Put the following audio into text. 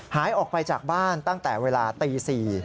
หายออกไปจากบ้านตั้งแต่เวลาตี๔